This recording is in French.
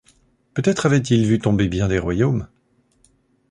Peut-être avaient-ils vu tomber bien des royaumes.